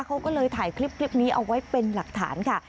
เขาก็เลยถ่ายคลิปนี้เอาไว้เป็นหลักฐานค่ะ